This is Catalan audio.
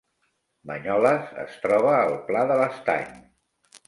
Banyoles es troba al Pla de l’Estany